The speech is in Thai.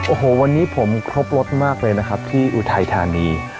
โอ้โหวันนี้ผมครบรสมากเลยนะครับที่อุทัยธานี